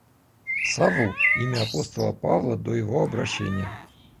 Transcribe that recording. Савл — имя апостола Павла до его обращения.